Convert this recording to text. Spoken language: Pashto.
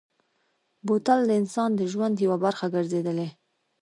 بوتل د انسان د ژوند یوه برخه ګرځېدلې.